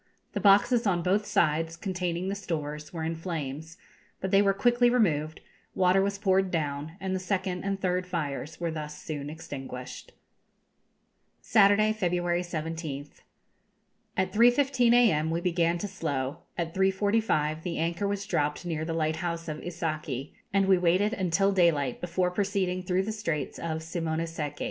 The boxes on both sides, containing the stores, were in flames; but they were quickly removed, water was poured down, and the second and third fires were thus soon extinguished. [Illustration: Hurusima, Inland Sea.] Saturday, February 17th. At 3.15 a.m. we began to slow; at 3.45 the anchor was dropped near the lighthouse of Isaki, and we waited until daylight before proceeding through the Straits of Simono seki.